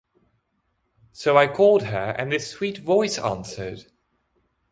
So I called her and this sweet voice answered.